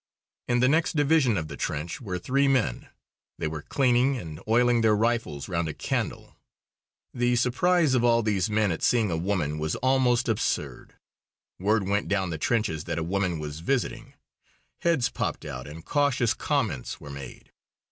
In the next division of the trench were three men. They were cleaning and oiling their rifles round a candle. The surprise of all of these men at seeing a woman was almost absurd. Word went down the trenches that a woman was visiting. Heads popped out and cautious comments were made.